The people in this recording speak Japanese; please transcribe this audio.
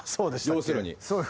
要するに。